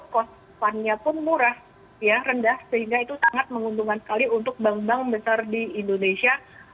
cost fundnya pun murah ya rendah sehingga itu sangat menguntungkan sekali untuk bank bank besar di indonesia